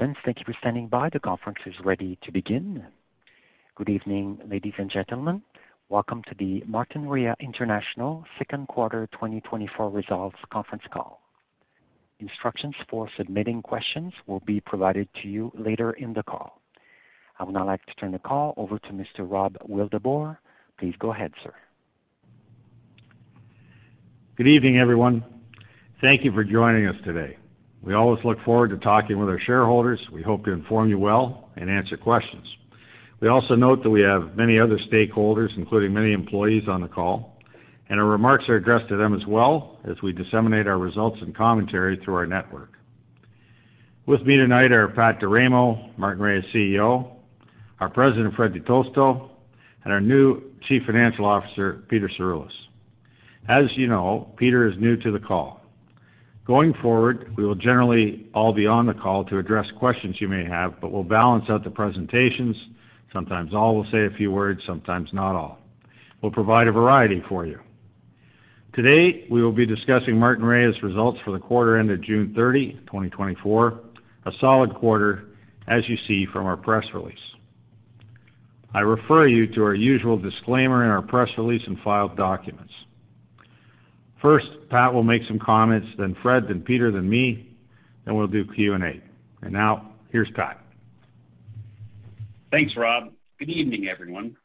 Participants, thank you for standing by. The conference is ready to begin. Good evening, ladies and gentlemen. Welcome to the Martinrea International Q2 2024 Results Conference Call. Instructions for submitting questions will be provided to you later in the call. I would now like to turn the call over to Mr. Rob Wildeboer. Please go ahead, sir. Good evening, everyone. Thank you for joining us today. We always look forward to talking with our shareholders. We hope to inform you well and answer questions. We also note that we have many other stakeholders, including many employees, on the call, and our remarks are addressed to them as well as we disseminate our results and commentary through our network. With me tonight are Pat D'Eramo, Martinrea's CEO, our President, Fred Di Tosto, and our new Chief Financial Officer, Peter Cirulis. As you know, Peter is new to the call. Going forward, we will generally all be on the call to address questions you may have, but we'll balance out the presentations. Sometimes all will say a few words, sometimes not all. We'll provide a variety for you. Today, we will be discussing Martinrea's results for the quarter ended June 30, 2024, a solid quarter, as you see from our press release. I refer you to our usual disclaimer in our press release and filed documents. First, Pat will make some comments, then Fred, then Peter, then me, then we'll do Q&A. And now, here's Pat. Thanks, Rob. Good evening, everyone.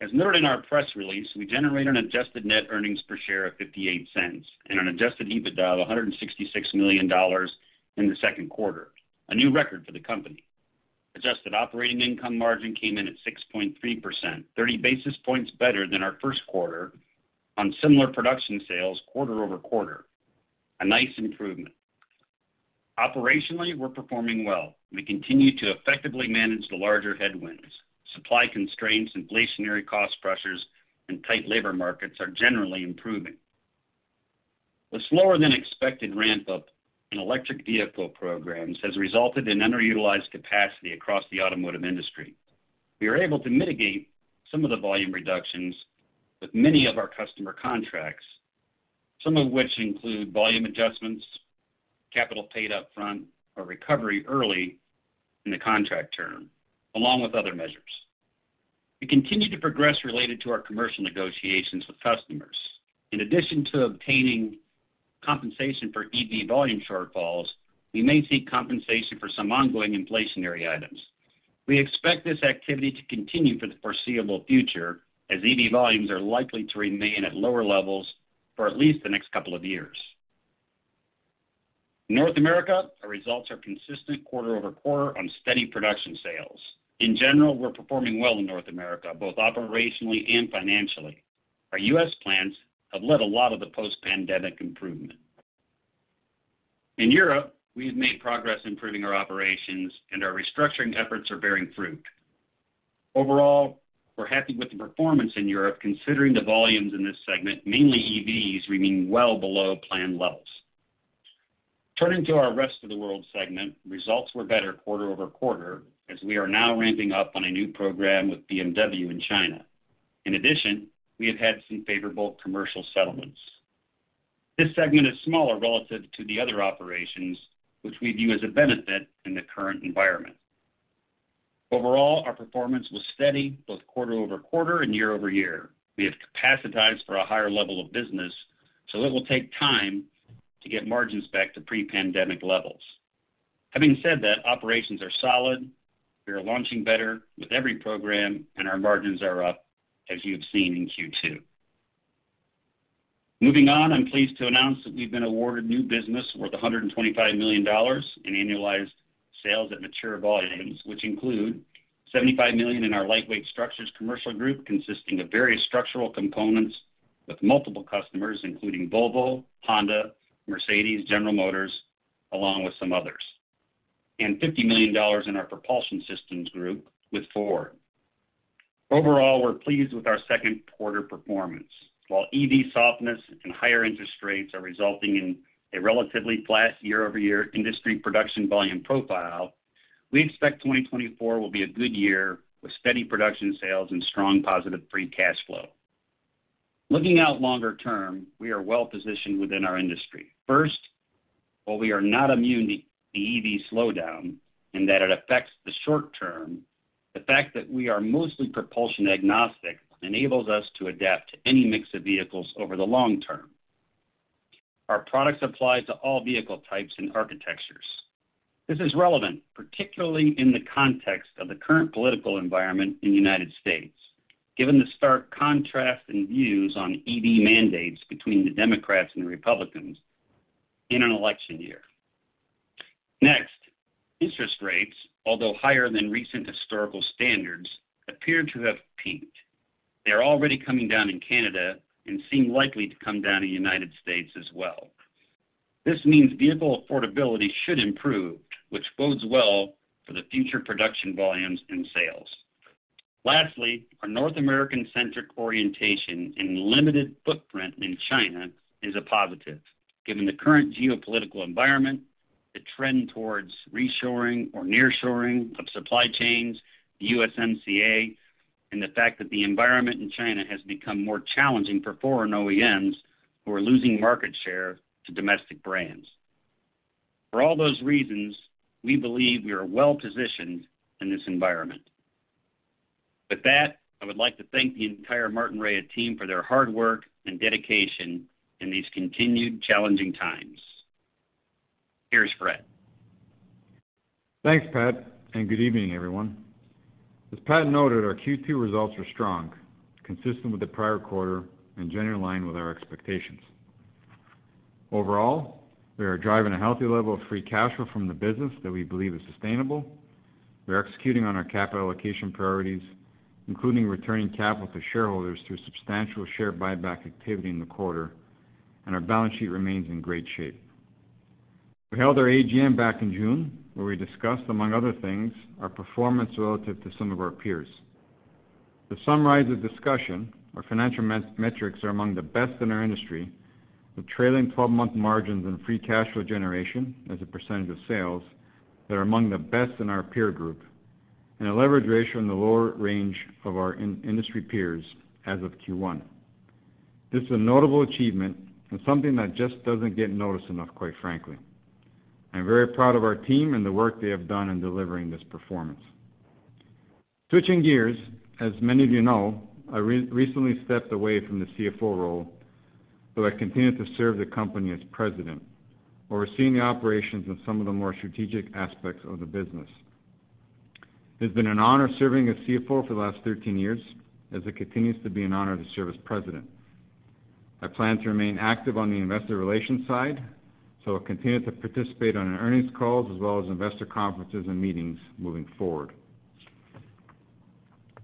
As noted in our press release, we generated an adjusted net earnings per share of 0.58 and an adjusted EBITDA of 166 million dollars in the Q2, a new record for the company. Adjusted operating income margin came in at 6.3%, 30 basis points better than our Q1 on similar production sales quarter-over-quarter. A nice improvement. Operationally, we're performing well. We continue to effectively manage the larger headwinds. Supply constraints, inflationary cost pressures, and tight labor markets are generally improving. The slower-than-expected ramp-up in electric vehicle programs has resulted in underutilized capacity across the automotive industry. We are able to mitigate some of the volume reductions with many of our customer contracts, some of which include volume adjustments, capital paid upfront, or recovery early in the contract term, along with other measures. We continue to progress related to our commercial negotiations with customers. In addition to obtaining compensation for EV volume shortfalls, we may seek compensation for some ongoing inflationary items. We expect this activity to continue for the foreseeable future, as EV volumes are likely to remain at lower levels for at least the next couple of years. In North America, our results are consistent quarter-over-quarter on steady production sales. In general, we're performing well in North America, both operationally and financially. Our U.S. plants have led a lot of the post-pandemic improvement. In Europe, we have made progress improving our operations, and our restructuring efforts are bearing fruit. Overall, we're happy with the performance in Europe, considering the volumes in this segment, mainly EVs, remaining well below plan levels. Turning to our Rest of the World segment, results were better quarter-over-quarter as we are now ramping up on a new program with BMW in China. In addition, we have had some favorable commercial settlements. This segment is smaller relative to the other operations, which we view as a benefit in the current environment. Overall, our performance was steady both quarter-over-quarter and year-over-year. We have capacitized for a higher level of business, so it will take time to get margins back to pre-pandemic levels. Having said that, operations are solid, we are launching better with every program, and our margins are up, as you have seen in Q2. Moving on, I'm pleased to announce that we've been awarded new business worth $125 million in annualized sales at mature volumes, which include $75 million in our Lightweight Structures Commercial Group, consisting of various structural components with multiple customers, including Volvo, Honda, Mercedes, General Motors, along with some others, and $50 million in our Propulsion Systems Group with Ford. Overall, we're pleased with our Q2 performance. While EV softness and higher interest rates are resulting in a relatively flat year-over-year industry production volume profile, we expect 2024 will be a good year with steady production sales and strong positive free cash flow. Looking out longer term, we are well positioned within our industry. First, while we are not immune to the EV slowdown and that it affects the short term, the fact that we are mostly propulsion agnostic enables us to adapt to any mix of vehicles over the long term. Our products apply to all vehicle types and architectures. This is relevant, particularly in the context of the current political environment in the United States, given the stark contrast and views on EV mandates between the Democrats and Republicans in an election year. Next, interest rates, although higher than recent historical standards, appear to have peaked. They are already coming down in Canada and seem likely to come down in the United States as well. This means vehicle affordability should improve, which bodes well for the future production volumes and sales. Lastly, our North American-centric orientation and limited footprint in China is a positive, given the current geopolitical environment, the trend towards reshoring or nearshoring of supply chains, the USMCA, and the fact that the environment in China has become more challenging for foreign OEMs, who are losing market share to domestic brands. For all those reasons, we believe we are well-positioned in this environment. With that, I would like to thank the entire Martinrea team for their hard work and dedication in these continued challenging times. Here's Fred. Thanks, Pat, and good evening, everyone. As Pat noted, our Q2 results were strong, consistent with the prior quarter and generally in line with our expectations. Overall, we are driving a healthy level of free cash flow from the business that we believe is sustainable. We're executing on our capital allocation priorities, including returning capital to shareholders through substantial share buyback activity in the quarter, and our balance sheet remains in great shape. We held our AGM back in June, where we discussed, among other things, our performance relative to some of our peers. To summarize the discussion, our financial metrics are among the best in our industry, with trailing 12 month margins and free cash flow generation as a percentage of sales that are among the best in our peer group, and a leverage ratio in the lower range of our industry peers as of Q1. This is a notable achievement and something that just doesn't get noticed enough, quite frankly. I'm very proud of our team and the work they have done in delivering this performance. Switching gears, as many of you know, I recently stepped away from the CFO role, but I continue to serve the company as president, overseeing the operations of some of the more strategic aspects of the business. It's been an honor serving as CFO for the last 13 years, as it continues to be an honor to serve as president. I plan to remain active on the investor relations side, so I'll continue to participate on our earnings calls as well as investor conferences and meetings moving forward.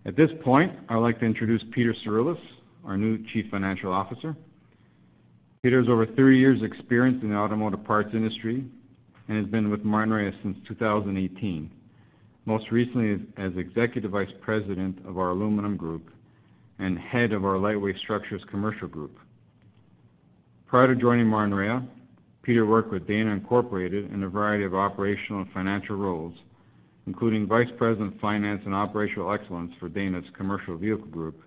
At this point, I'd like to introduce Peter Cirulis, our new Chief Financial Officer. Peter has over 30 years experience in the automotive parts industry and has been with Martinrea since 2018, most recently as Executive Vice President of our Aluminum Group and Head of our Lightweight Structures Commercial Group. Prior to joining Martinrea, Peter worked with Dana Incorporated in a variety of operational and financial roles, including Vice President of Finance and Operational Excellence for Dana's Commercial Vehicle Group,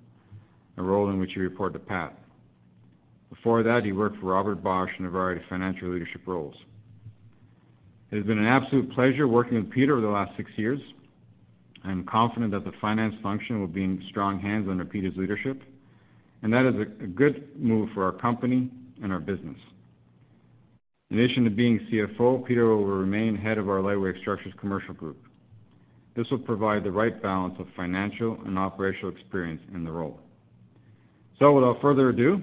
a role in which he reported to Pat. Before that, he worked for Robert Bosch in a variety of financial leadership roles. It has been an absolute pleasure working with Peter over the last 6 years. I am confident that the finance function will be in strong hands under Peter's leadership, and that is a good move for our company and our business. In addition to being CFO, Peter will remain Head of our Lightweight Structures Commercial Group. This will provide the right balance of financial and operational experience in the role. Without further ado,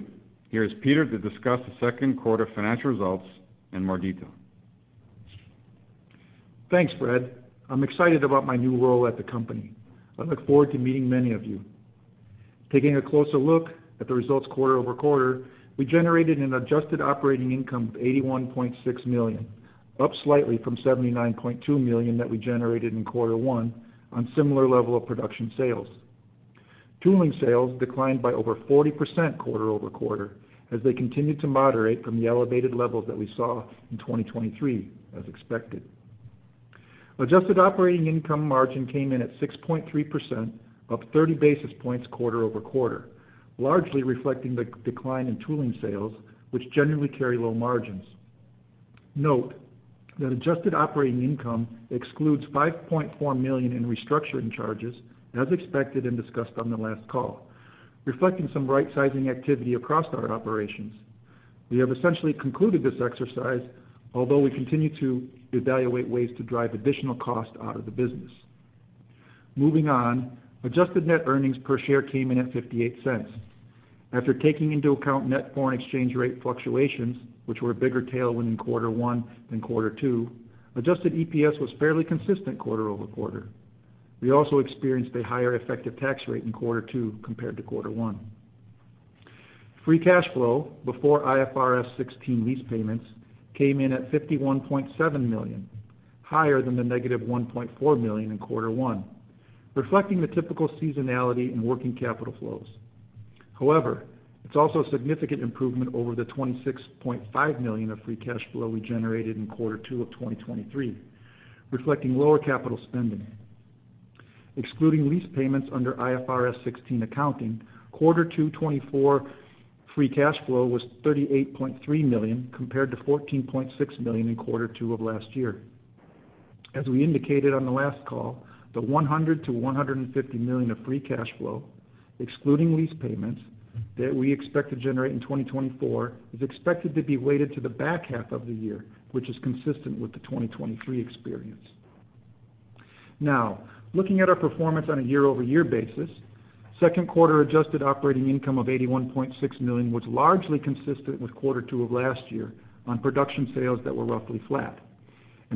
here's Peter to discuss the Q2 financial results in more detail. Thanks, Fred. I'm excited about my new role at the company. I look forward to meeting many of you. Taking a closer look at the results quarter-over-quarter, we generated an adjusted operating income of 81.6 million, up slightly from 79.2 million that we generated in Q1 on similar level of production sales. Tooling sales declined by over 40% quarter-over-quarter, as they continued to moderate from the elevated levels that we saw in 2023, as expected. Adjusted operating income margin came in at 6.3%, up 30 basis points quarter-over-quarter, largely reflecting the decline in tooling sales, which generally carry low margins. Note that adjusted operating income excludes 5.4 million in restructuring charges, as expected and discussed on the last call, reflecting some rightsizing activity across our operations. We have essentially concluded this exercise, although we continue to evaluate ways to drive additional cost out of the business. Moving on, Adjusted Net Earnings per Share came in at 0.58. After taking into account net foreign exchange rate fluctuations, which were a bigger tailwind in Q1 than Q2, Adjusted EPS was fairly consistent quarter-over-quarter. We also experienced a higher effective tax rate in Q2 compared to Q1. Free Cash Flow before IFRS 16 lease payments came in at 51.7 million, higher than the -1.4 million in Q1, reflecting the typical seasonality in working capital flows. However, it's also a significant improvement over the 26.5 million of Free Cash Flow we generated in Q2 of 2023, reflecting lower capital spending. Excluding lease payments under IFRS 16 accounting, Q2 2024 free cash flow was 38.3 million, compared to 14.6 million in Q2 of last year. As we indicated on the last call, the 100 million to 150 million of free cash flow, excluding lease payments, that we expect to generate in 2024, is expected to be weighted to the back half of the year, which is consistent with the 2023 experience. Now, looking at our performance on a year-over-year basis, Q2 adjusted operating income of 81.6 million was largely consistent with Q2 of last year on production sales that were roughly flat.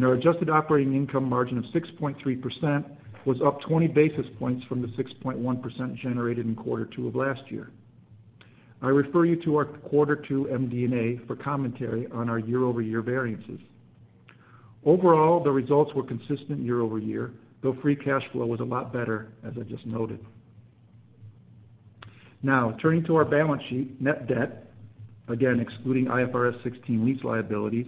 Our adjusted operating income margin of 6.3% was up 20 basis points from the 6.1% generated in Q2 of last year. I refer you to our Q2 MD&A for commentary on our year-over-year variances. Overall, the results were consistent year-over-year, though free cash flow was a lot better, as I just noted. Now, turning to our balance sheet, net debt, again, excluding IFRS 16 lease liabilities,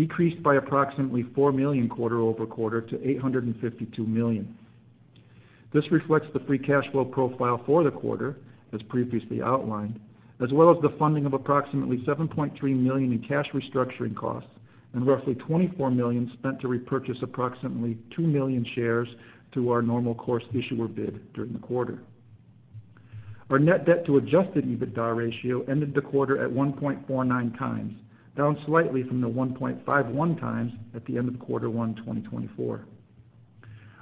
decreased by approximately 4 million quarter-over-quarter to 852 million. This reflects the free cash flow profile for the quarter, as previously outlined, as well as the funding of approximately 7.3 million in cash restructuring costs and roughly 24 million spent to repurchase approximately 2 million shares through our normal course issuer bid during the quarter. Our net debt to Adjusted EBITDA ratio ended the quarter at 1.49 times, down slightly from the 1.51 times at the end of Q1, 2024.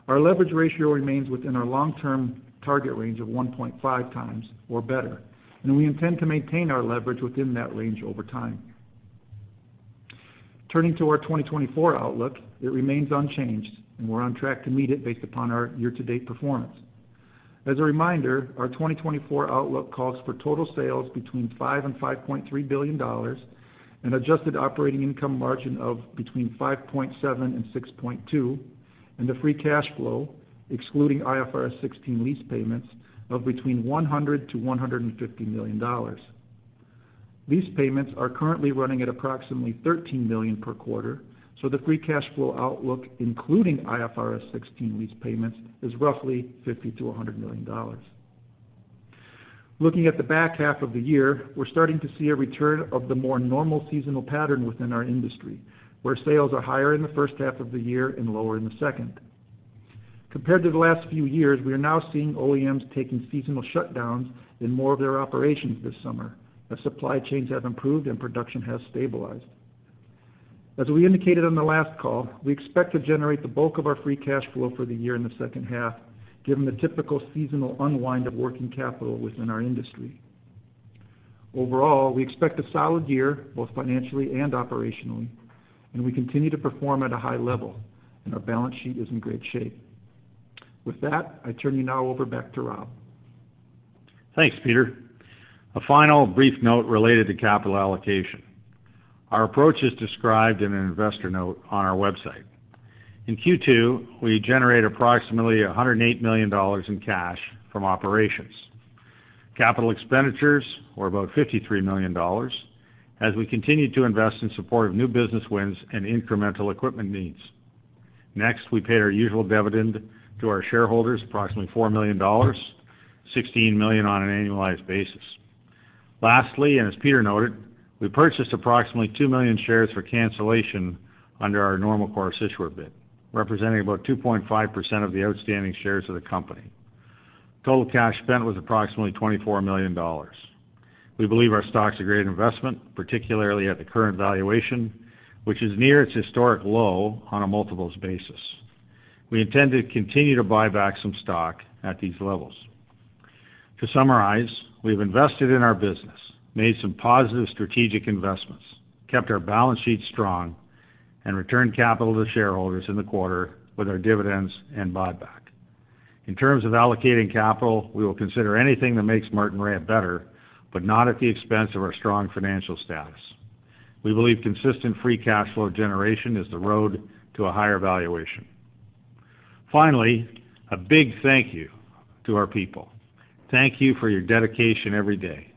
Our leverage ratio remains within our long-term target range of 1.5 times or better, and we intend to maintain our leverage within that range over time. Turning to our 2024 outlook, it remains unchanged, and we're on track to meet it based upon our year-to-date performance. As a reminder, our 2024 outlook calls for total sales between 5 billion and 5.3 billion dollars, an adjusted operating income margin of between 5.7% and 6.2%, and a free cash flow, excluding IFRS 16 lease payments, of between 100 million to 150 million. Lease payments are currently running at approximately 13 million per quarter, so the free cash flow outlook, including IFRS 16 lease payments, is roughly 50 million to 100 million. Looking at the back half of the year, we're starting to see a return of the more normal seasonal pattern within our industry, where sales are higher in the first half of the year and lower in the second. Compared to the last few years, we are now seeing OEMs taking seasonal shutdowns in more of their operations this summer, as supply chains have improved and production has stabilized. As we indicated on the last call, we expect to generate the bulk of our free cash flow for the year in the second half, given the typical seasonal unwind of working capital within our industry. Overall, we expect a solid year, both financially and operationally, and we continue to perform at a high level, and our balance sheet is in great shape. With that, I turn you now over back to Rob. Thanks, Peter. A final brief note related to capital allocation. Our approach is described in an investor note on our website. In Q2, we generated approximately 108 million dollars in cash from operations. Capital expenditures were about 53 million dollars as we continued to invest in support of new business wins and incremental equipment needs. Next, we paid our usual dividend to our shareholders, approximately 4 million dollars, 16 million on an annualized basis. Lastly, and as Peter noted, we purchased approximately 2 million shares for cancellation under our normal course issuer bid, representing about 2.5% of the outstanding shares of the company. Total cash spent was approximately 24 million dollars. We believe our stock's a great investment, particularly at the current valuation, which is near its historic low on a multiples basis. We intend to continue to buy back some stock at these levels. To summarize, we've invested in our business, made some positive strategic investments, kept our balance sheet strong, and returned capital to shareholders in the quarter with our dividends and buyback. In terms of allocating capital, we will consider anything that makes Martinrea better, but not at the expense of our strong financial status. We believe consistent free cash flow generation is the road to a higher valuation. Finally, a big thank you to our people. Thank you for your dedication every day.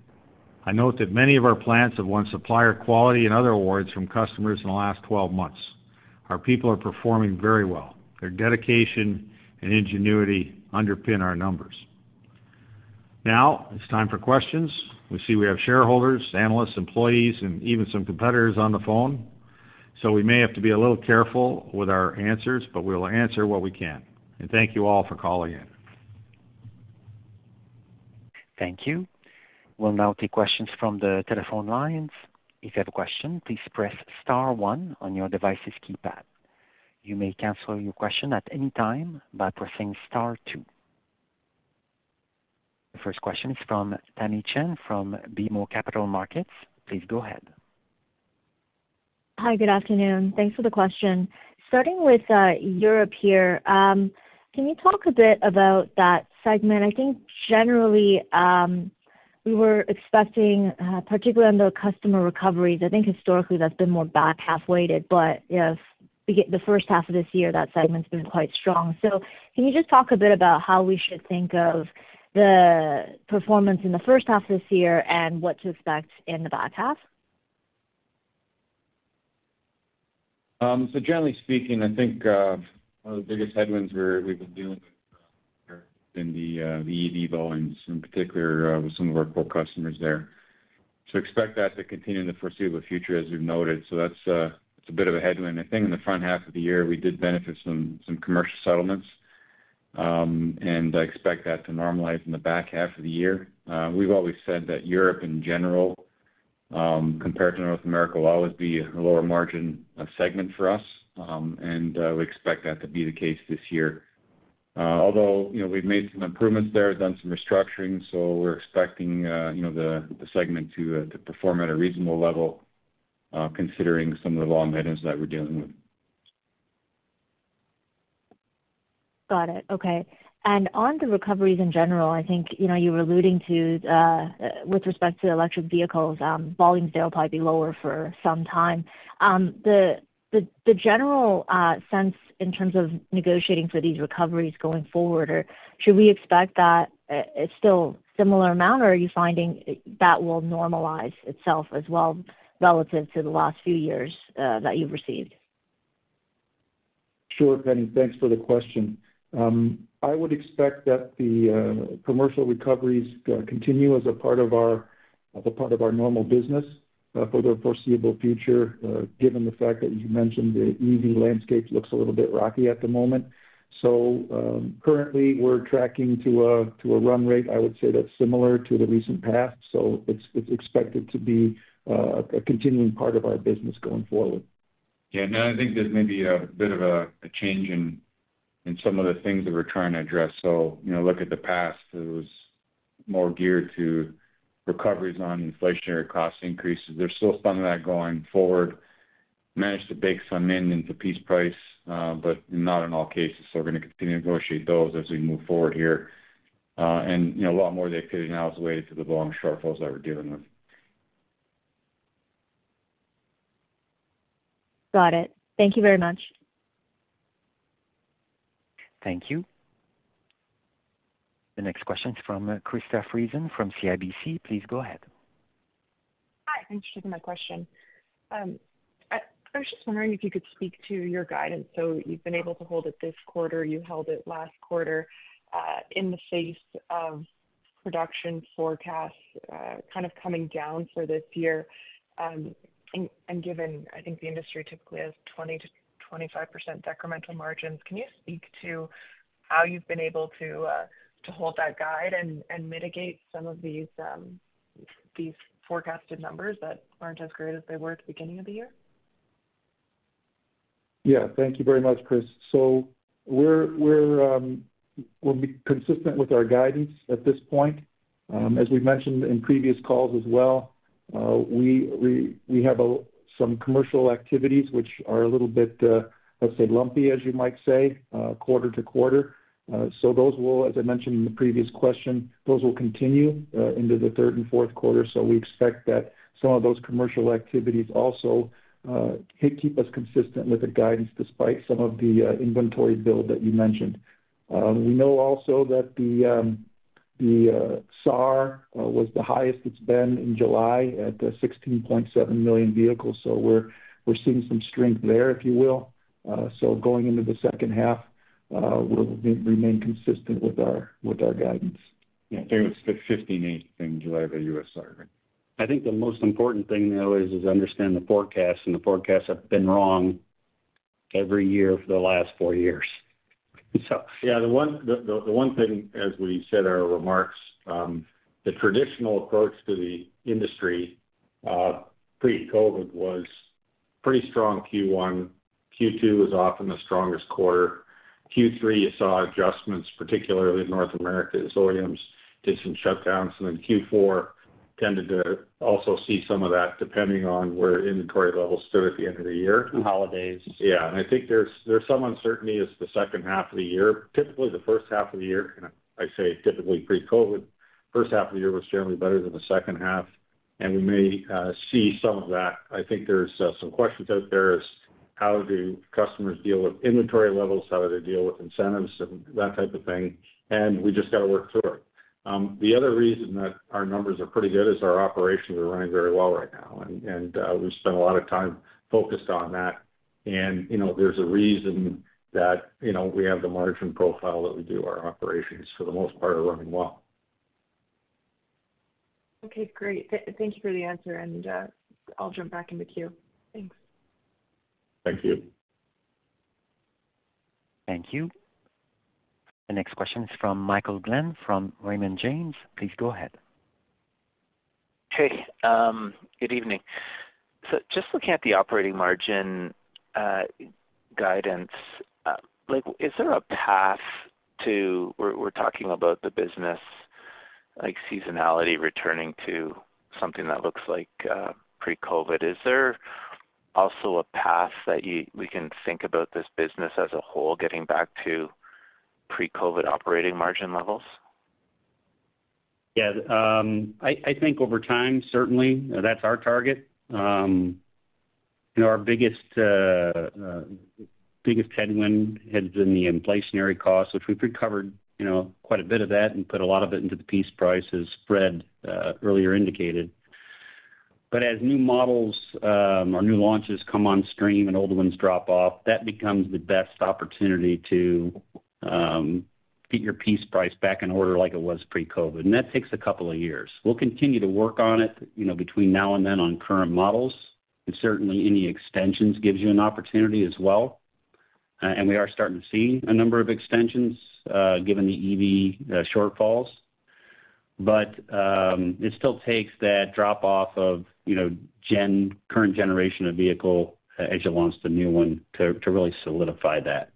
I note that many of our plants have won supplier quality and other awards from customers in the last 12 months. Our people are performing very well. Their dedication and ingenuity underpin our numbers. Now it's time for questions. We see we have shareholders, analysts, employees, and even some competitors on the phone, so we may have to be a little careful with our answers, but we'll answer what we can. Thank you all for calling in. Thank you. We'll now take questions from the telephone lines. If you have a question, please press star one on your device's keypad. You may cancel your question at any time by pressing star two. The first question is from Tamy Chen from BMO Capital Markets. Please go ahead. Hi, good afternoon. Thanks for the question. Starting with Europe here, can you talk a bit about that segment? I think generally, we were expecting, particularly on the customer recoveries, I think historically, that's been more back half weighted, but, you know, the first half of this year, that segment's been quite strong. So can you just talk a bit about how we should think of the performance in the first half of this year and what to expect in the back half? So generally speaking, I think, one of the biggest headwinds we've been dealing with, in the EV volumes, in particular, with some of our core customers there. So expect that to continue in the foreseeable future, as we've noted. So that's, it's a bit of a headwind. I think in the front half of the year, we did benefit some commercial settlements, and I expect that to normalize in the back half of the year. We've always said that Europe in general, compared to North America, will always be a lower margin of segment for us, and we expect that to be the case this year. Although, you know, we've made some improvements there, done some restructuring, so we're expecting, you know, the segment to perform at a reasonable level, considering some of the long items that we're dealing with. Got it. Okay. And on the recoveries in general, I think, you know, you were alluding to, with respect to electric vehicles, volumes, they'll probably be lower for some time. The general sense in terms of negotiating for these recoveries going forward, or should we expect that, it's still similar amount, or are you finding that will normalize itself as well relative to the last few years, that you've received? Sure, Tamy. Thanks for the question. I would expect that the commercial recoveries continue as a part of our, as a part of our normal business for the foreseeable future, given the fact that you mentioned the EV landscape looks a little bit rocky at the moment. So, currently, we're tracking to a, to a run rate, I would say, that's similar to the recent past, so it's, it's expected to be a continuing part of our business going forward. Yeah, and I think there's maybe a bit of a change in some of the things that we're trying to address. So, you know, look at the past, it was more geared to recoveries on inflationary cost increases. There's still some of that going forward. Managed to bake some in into piece price, but not in all cases. So we're gonna continue to negotiate those as we move forward here. And, you know, a lot more of the activity now is related to the long shortfalls that we're dealing with. Got it. Thank you very much. Thank you. The next question is from Krista Friesen from CIBC. Please go ahead. Hi, thanks for taking my question. I was just wondering if you could speak to your guidance. So you've been able to hold it this quarter, you held it last quarter, in the face of production forecasts, kind of coming down for this year. And given, I think, the industry typically has 20% to 25% decremental margins, can you speak to how you've been able to hold that guide and mitigate some of these, these forecasted numbers that aren't as great as they were at the beginning of the year? Yeah. Thank you very much, Kris. So we'll be consistent with our guidance at this point. As we've mentioned in previous calls as well, we have some commercial activities which are a little bit, let's say, lumpy, as you might say, quarter-to-quarter. So those will, as I mentioned in the previous question, those will continue into the Q3 and Q4. So we expect that some of those commercial activities also keep us consistent with the guidance, despite some of the inventory build that you mentioned. We know also that the SAAR was the highest it's been in July at 16.7 million vehicles, so we're seeing some strength there, if you will. Going into the second half, we'll remain consistent with our guidance. Yeah, I think it was 15.8 in July, the U.S. SAAR. I think the most important thing, though, is understand the forecast, and the forecasts have been wrong every year for the last four years. So Yeah, the one thing, as we said in our remarks, the traditional approach to the industry, pre-COVID was pretty strong Q1. Q2 was often the strongest quarter. Q3, you saw adjustments, particularly in North America, as OEMs did some shutdowns. And then Q4 tended to also see some of that, depending on where inventory levels stood at the end of the year. And holidays. Yeah, and I think there's some uncertainty as to the second half of the year. Typically, the first half of the year, and I say typically pre-COVID, first half of the year was generally better than the second half, and we may see some of that. I think there's some questions out there as how do customers deal with inventory levels, how do they deal with incentives and that type of thing, and we just gotta work through it. The other reason that our numbers are pretty good is our operations are running very well right now, and we've spent a lot of time focused on that. You know, there's a reason that, you know, we have the margin profile that we do. Our operations, for the most part, are running well. Okay, great. Thank you for the answer, and, I'll jump back in the queue. Thanks. Thank you. Thank you. The next question is from Michael Glen from Raymond James. Please go ahead. Hey, good evening. So just looking at the operating margin guidance, like, is there a path to. We're talking about the business, like seasonality, returning to something that looks like pre-COVID. Is there also a path that you—we can think about this business as a whole, getting back to pre-COVID operating margin levels? Yeah, I think over time, certainly, that's our target. You know, our biggest headwind has been the inflationary cost, which we've recovered, you know, quite a bit of that and put a lot of it into the piece prices, Fred earlier indicated. But as new models or new launches come on stream and old ones drop off, that becomes the best opportunity to get your piece price back in order like it was pre-COVID, and that takes a couple of years. We'll continue to work on it, you know, between now and then on current models, and certainly any extensions gives you an opportunity as well. And we are starting to see a number of extensions given the EV shortfalls. But, it still takes that drop-off of, you know, current generation of vehicle as you launch the new one, to really solidify that.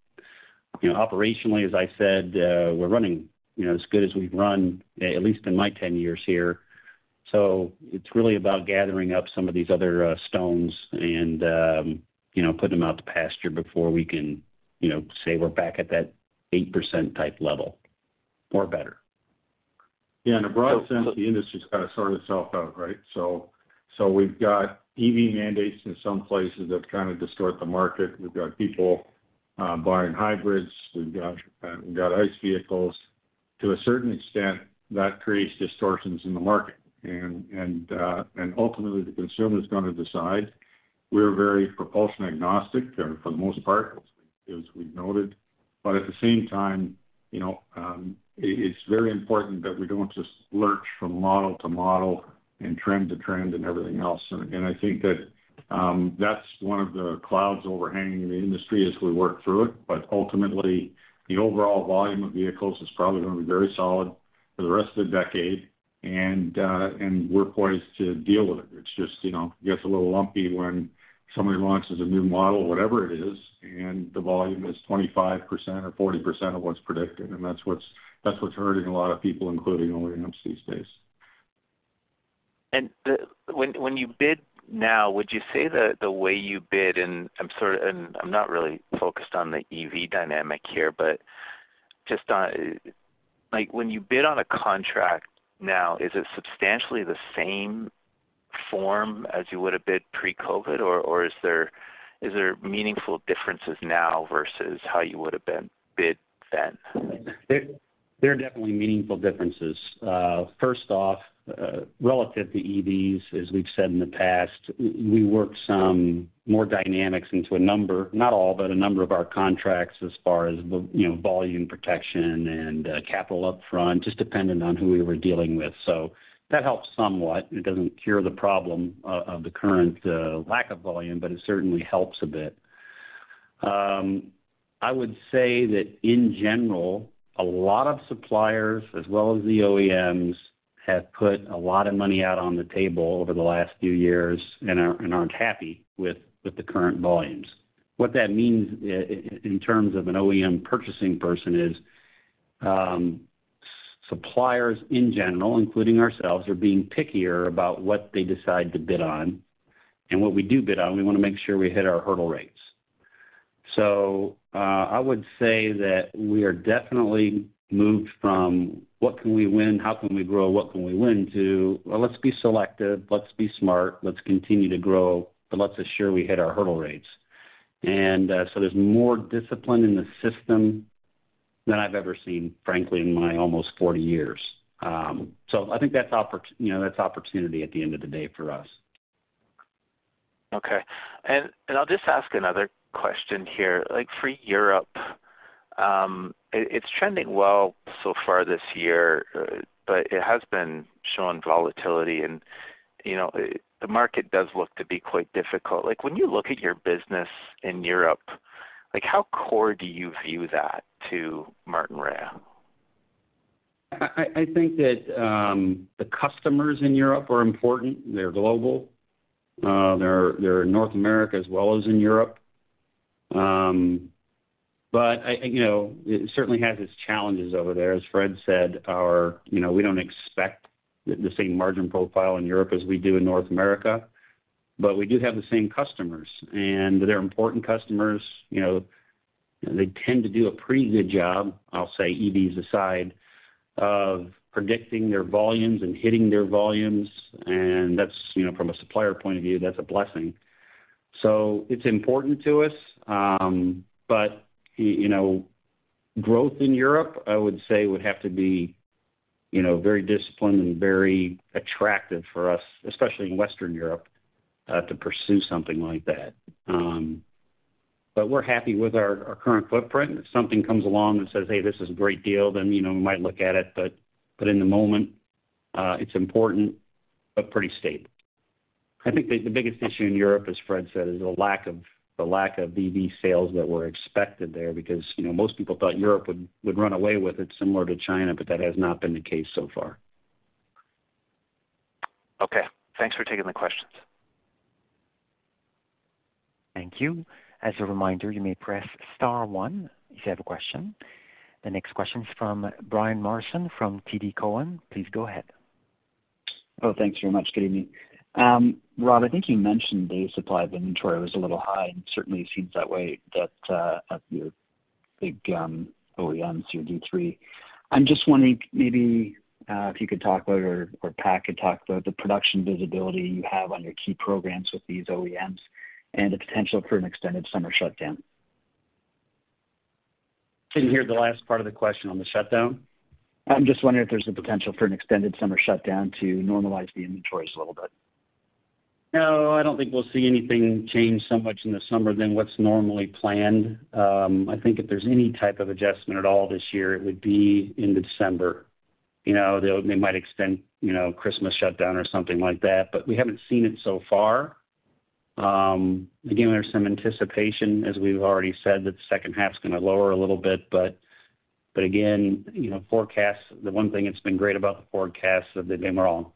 You know, operationally, as I said, we're running, you know, as good as we've run, at least in my 10 years here. So it's really about gathering up some of these other, stones and, you know, putting them out to pasture before we can, you know, say we're back at that 8% type level or better. Yeah, in a broad sense, the industry's got to sort itself out, right? So we've got EV mandates in some places that kind of distort the market. We've got people buying hybrids, we've got ICE vehicles. To a certain extent, that creates distortions in the market, and ultimately, the consumer is gonna decide. We're very propulsion agnostic for the most part, as we've noted. But at the same time, you know, it's very important that we don't just lurch from model to model and trend to trend and everything else. And I think that that's one of the clouds overhanging the industry as we work through it. But ultimately, the overall volume of vehicles is probably going to be very solid for the rest of the decade, and we're poised to deal with it. It's just, you know, gets a little lumpy when somebody launches a new model, whatever it is, and the volume is 25% or 40% of what's predicted, and that's what's, that's what's hurting a lot of people, including OEMs, these days. When you bid now, would you say that the way you bid, and I'm sort of—and I'm not really focused on the EV dynamic here, but just on. Like, when you bid on a contract now, is it substantially the same form as you would have bid pre-COVID, or is there meaningful differences now versus how you would have bid then? There are definitely meaningful differences. First off, relative to EVs, as we've said in the past, we worked some more dynamics into a number, not all, but a number of our contracts as far as the, you know, volume protection and, capital upfront, just depending on who we were dealing with. So that helps somewhat. It doesn't cure the problem of the current, lack of volume, but it certainly helps a bit. I would say that in general, a lot of suppliers, as well as the OEMs, have put a lot of money out on the table over the last few years and aren't happy with the current volumes. What that means in terms of an OEM purchasing person is, suppliers in general, including ourselves, are being pickier about what they decide to bid on. And what we do bid on, we want to make sure we hit our hurdle rates. So, I would say that we are definitely moved from what can we win? How can we grow? What can we win? To, well, let's be selective, let's be smart, let's continue to grow, but let's ensure we hit our hurdle rates. And, so there's more discipline in the system than I've ever seen, frankly, in my almost 40 years. So I think that's opportunity—you know, that's opportunity at the end of the day for us. Okay. And I'll just ask another question here. Like, for Europe, it's trending well so far this year, but it has been showing volatility and, you know, the market does look to be quite difficult. Like, when you look at your business in Europe, like, how core do you view that to Martinrea? I think that the customers in Europe are important. They're global. They're in North America as well as in Europe. But I, you know, it certainly has its challenges over there. As Fred said, you know, we don't expect the same margin profile in Europe as we do in North America, but we do have the same customers, and they're important customers. You know, they tend to do a pretty good job, I'll say, EVs aside, of predicting their volumes and hitting their volumes, and that's, you know, from a supplier point of view, that's a blessing. So it's important to us. But you know, growth in Europe, I would say, would have to be, you know, very disciplined and very attractive for us, especially in Western Europe, to pursue something like that. But we're happy with our current footprint. If something comes along and says, "Hey, this is a great deal," then, you know, we might look at it. But in the moment, it's important but pretty stable. I think the biggest issue in Europe, as Fred said, is the lack of EV sales that were expected there, because, you know, most people thought Europe would run away with it, similar to China, but that has not been the case so far. Okay, thanks for taking the questions. Thank you. As a reminder, you may press star one if you have a question. The next question is from Brian Morrison from TD Cowen. Please go ahead. Oh, thanks very much. Good evening. Rob, I think you mentioned the supply of inventory was a little high, and certainly it seems that way, that, at your big OEMs, your D3. I'm just wondering maybe if you could talk about or, or Pat could talk about the production visibility you have on your key programs with these OEMs and the potential for an extended summer shutdown. Didn't hear the last part of the question on the shutdown. I'm just wondering if there's a potential for an extended summer shutdown to normalize the inventories a little bit? No, I don't think we'll see anything change so much in the summer than what's normally planned. I think if there's any type of adjustment at all this year, it would be into December. You know, they might extend, you know, Christmas shutdown or something like that, but we haven't seen it so far. Again, there's some anticipation, as we've already said, that the second half's gonna lower a little bit, but again, you know, forecasts, the one thing that's been great about the forecasts is that they're wrong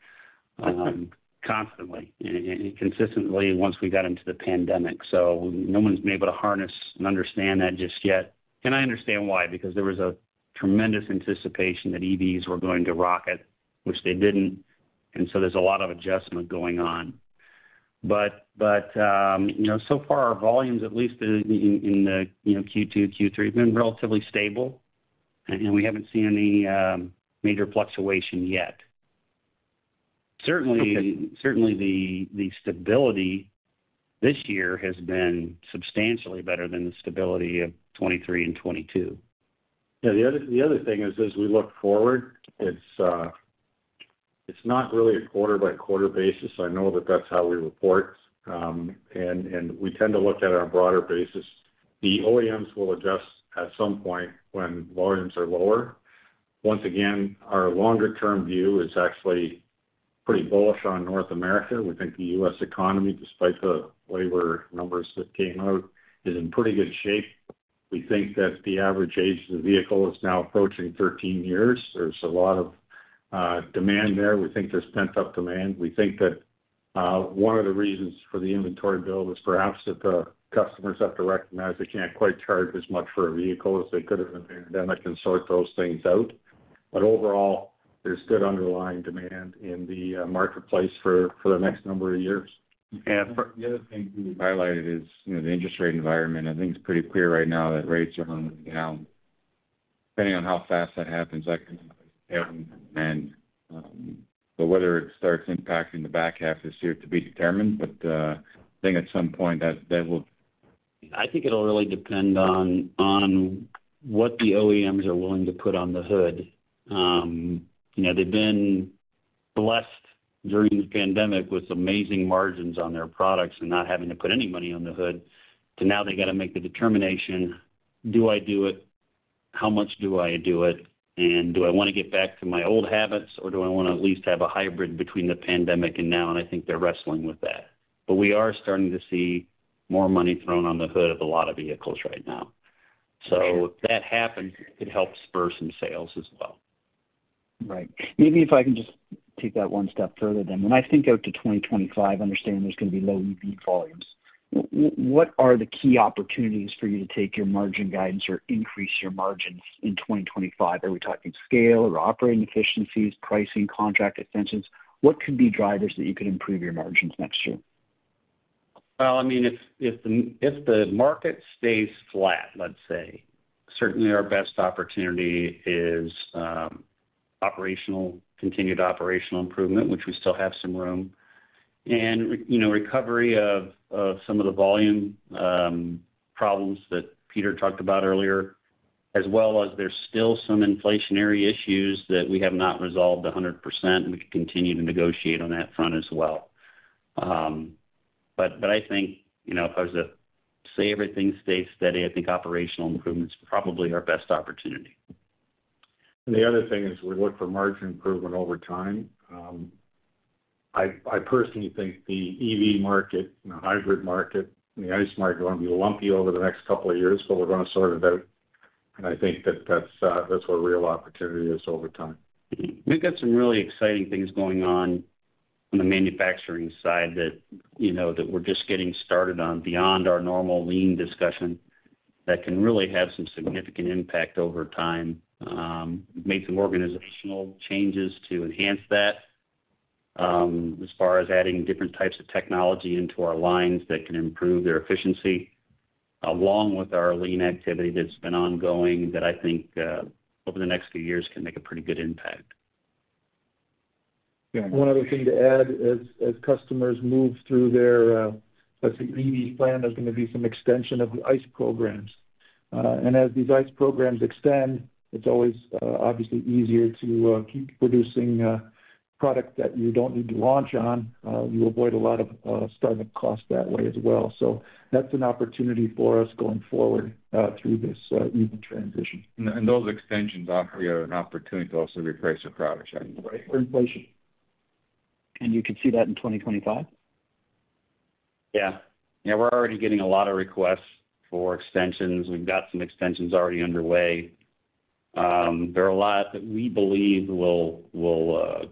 constantly and consistently once we got into the pandemic. So no one's been able to harness and understand that just yet. And I understand why, because there was a tremendous anticipation that EVs were going to rocket, which they didn't, and so there's a lot of adjustment going on. But, you know, so far, our volumes, at least in the, you know, Q2, Q3, have been relatively stable, and we haven't seen any major fluctuation yet. Certainly- Okay. Certainly, the stability this year has been substantially better than the stability of 2023 and 2022. Yeah, the other thing is, as we look forward, it's not really a quarter-by-quarter basis. I know that that's how we report, and we tend to look at it on a broader basis. The OEMs will adjust at some point when volumes are lower. Once again, our longer-term view is actually pretty bullish on North America. We think the U.S. economy, despite the labor numbers that came out, is in pretty good shape. We think that the average age of the vehicle is now approaching 13 years. There's a lot of demand there. We think there's pent-up demand. We think that one of the reasons for the inventory build is perhaps that the customers have to recognize they can't quite charge as much for a vehicle as they could have in the pandemic and sort those things out. Overall, there's good underlying demand in the marketplace for the next number of years. The other thing we highlighted is, you know, the interest rate environment. I think it's pretty clear right now that rates are going down. Depending on how fast that happens, that can have an end. But whether it starts impacting the back half this year to be determined, but I think at some point, that will- I think it'll really depend on what the OEMs are willing to put on the hood. You know, they've been blessed during the pandemic with amazing margins on their products and not having to put any money on the hood, to now they've got to make the determination: Do I do it? How much do I do it? And do I wanna get back to my old habits, or do I wanna at least have a hybrid between the pandemic and now? And I think they're wrestling with that. But we are starting to see more money thrown on the hood of a lot of vehicles right now. So if that happens, it helps spur some sales as well. Right. Maybe if I can just take that one step further, then. When I think out to 2025, understanding there's gonna be low EV volumes, what are the key opportunities for you to take your margin guidance or increase your margins in 2025? Are we talking scale or operating efficiencies, pricing, contract extensions? What could be drivers that you could improve your margins next year? Well, I mean, if the market stays flat, let's say, certainly our best opportunity is operational, continued operational improvement, which we still have some room. And, you know, recovery of some of the volume problems that Peter talked about earlier, as well as there's still some inflationary issues that we have not resolved a hundred percent, and we can continue to negotiate on that front as well. But I think, you know, if I was to say everything stays steady, I think operational improvement is probably our best opportunity. The other thing is, we look for margin improvement over time. I personally think the EV market, and the hybrid market, and the ICE market are gonna be lumpy over the next couple of years, but we're gonna sort it out, and I think that's where real opportunity is over time. We've got some really exciting things going on on the manufacturing side that, you know, that we're just getting started on beyond our normal lean discussion, that can really have some significant impact over time. Made some organizational changes to enhance that, as far as adding different types of technology into our lines that can improve their efficiency, along with our lean activity that's been ongoing, that I think, over the next few years, can make a pretty good impact. Yeah- One other thing to add, as customers move through their, let's say, EV plan, there's gonna be some extension of the ICE programs. And as these ICE programs extend, it's always, obviously easier to keep producing a product that you don't need to launch on. You avoid a lot of startup costs that way as well. So that's an opportunity for us going forward, through this EV transition. Those extensions offer you an opportunity to also reprice your products. Right, for inflation. You could see that in 2025? Yeah. Yeah, we're already getting a lot of requests for extensions. We've got some extensions already underway. There are a lot that we believe will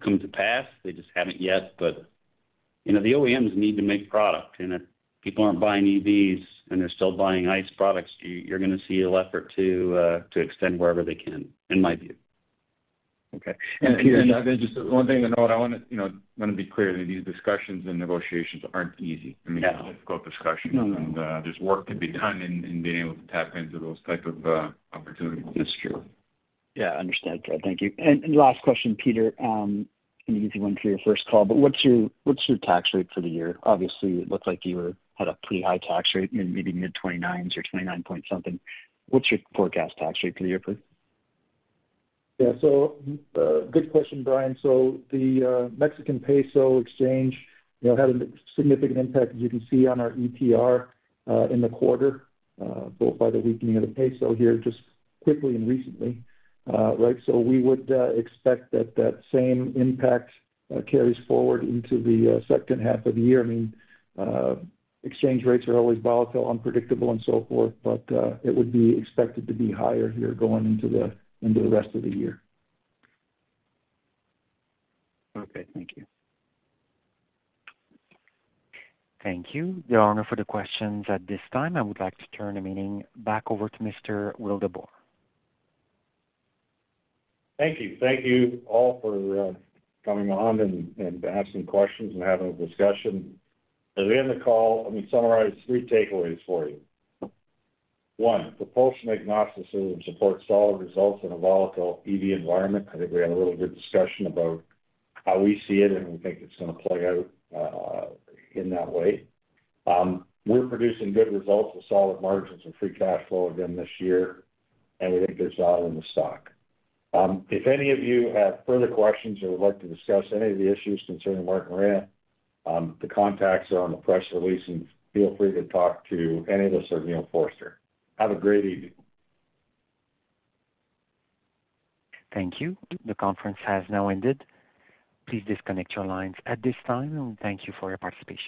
come to pass. They just haven't yet. But, you know, the OEMs need to make product, and if people aren't buying EVs, and they're still buying ICE products, you're gonna see an effort to extend wherever they can, in my view. Okay. And Peter- Just one thing to note, I wanna, you know, wanna be clear that these discussions and negotiations aren't easy. Yeah. I mean, they're difficult discussions. No, no. There's work to be done in being able to tap into those type of opportunities. It's true. Yeah, understood. Thank you. Last question, Peter, an easy one for your first call, but what's your tax rate for the year? Obviously, it looked like you had a pretty high tax rate, maybe mid-29s or 29-point-something. What's your forecast tax rate for the year, please? Yeah. So, good question, Brian. So the Mexican peso exchange, you know, had a significant impact, as you can see, on our ETR in the quarter, both by the weakening of the peso here, just quickly and recently. Right, so we would expect that that same impact carries forward into the second half of the year. I mean, exchange rates are always volatile, unpredictable, and so forth, but it would be expected to be higher here going into the into the rest of the year. Okay, thank you. Thank you. There are no further questions at this time. I would like to turn the meeting back over to Mr. Rob Wildeboer. Thank you. Thank you all for coming on and asking questions and having a discussion. As we end the call, let me summarize three takeaways for you. One, propulsion agnosticism supports solid results in a volatile EV environment. I think we had a really good discussion about how we see it, and we think it's gonna play out in that way. We're producing good results with solid margins and free cash flow again this year, and we think there's value in the stock. If any of you have further questions or would like to discuss any of the issues concerning Martinrea, the contacts are on the press release, and feel free to talk to any of us or Neil Forster. Have a great evening. Thank you. The conference has now ended. Please disconnect your lines at this time, and thank you for your participation.